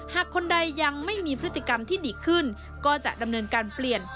คนใดยังไม่มีพฤติกรรมที่ดีขึ้นก็จะดำเนินการเปลี่ยน